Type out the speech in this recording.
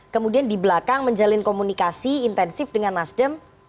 kemudian di belakang menjalin komunikasi intensif dengan nasdem